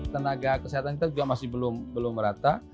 tenaga kesehatan kita juga masih belum rata